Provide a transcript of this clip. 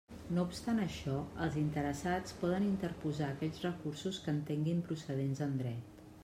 No obstant això, els interessats poden interposar aquells recursos que entenguin procedents en Dret.